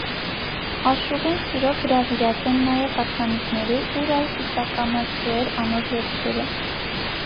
Աշուղին սիրով հրավիրած են նաև հարսանիքներու, ուր ալ ծիսականացուեր անոր երգերը։